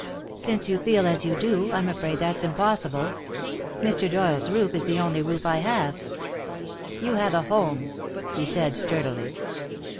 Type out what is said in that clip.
"Since you feel as you do, I'm afraid that's impossible. Mr. Doyle's roof is the only roof I have." "You have a home," he said, sturdily.